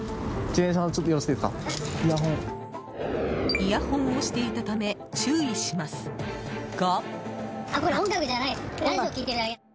イヤホンをしていたため注意しますが。